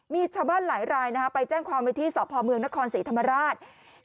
มีชาวบ้านหลายรายไปแจ้งความไว้ที่สพเมืองนครศรีธรรมราช